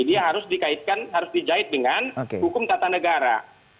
dia harus dikaitkan harus dijahit dengan hukum tata negara